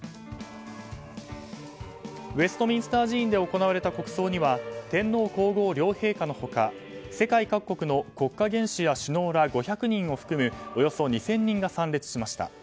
ウェストミンスター寺院で行われた国葬には天皇・皇后両陛下の他世界各国の国家元首や首脳ら５００人を含むおよそ２０００人が参列しました。